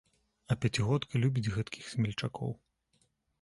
А пяцігодка любіць гэткіх смельчакоў.